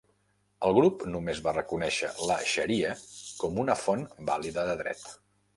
El grup només va reconèixer la "Xaria" com una font vàlida de dret.